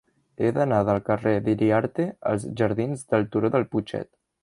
He d'anar del carrer d'Iriarte als jardins del Turó del Putxet.